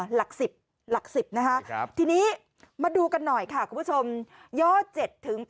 หลัก๑๐นะฮะทีนี้มาดูกันหน่อยค่ะคุณผู้ชม